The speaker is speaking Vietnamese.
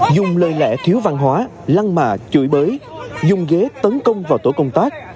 dùng lời lẽ thiếu văn hóa lăng mạ chửi bới dùng ghế tấn công vào tổ công tác